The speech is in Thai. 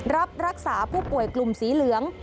รับรักษาผู้ป่วยกลุ่มสีเหลือง